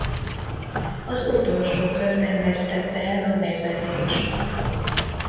Az utolsó körben vesztette el a vezetést.